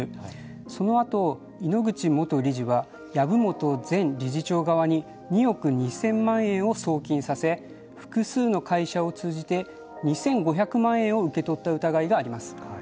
そのあと、井ノ口元理事は籔本前理事長側に２億２０００万円を送金させ複数の会社を通じて２５００万円を受け取った疑いがあります。